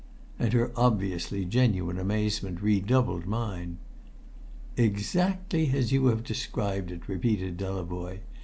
And her obviously genuine amazement redoubled mine. "Exactly as you have described it," repeated Delavoye.